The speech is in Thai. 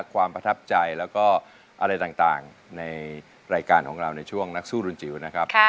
ความประทับใจแล้วก็อะไรต่างในรายการของเราในช่วงนักสู้รุนจิ๋วนะครับ